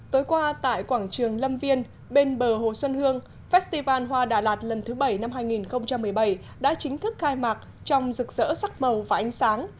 tối qua tại quảng trường lâm viên bên bờ hồ xuân hương festival hoa đà lạt lần thứ bảy năm hai nghìn một mươi bảy đã chính thức khai mạc trong rực rỡ sắc màu và ánh sáng